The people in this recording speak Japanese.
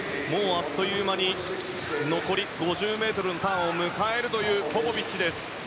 あっという間に残り５０ｍのターンを迎えるポポビッチ。